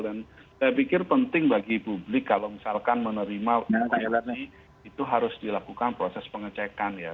dan saya pikir penting bagi publik kalau misalkan menerima informasi itu harus dilakukan proses pengecekan ya